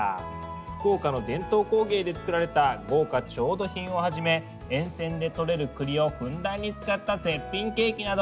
福岡の伝統工芸で作られた豪華調度品をはじめ沿線でとれる栗をふんだんに使った絶品ケーキなど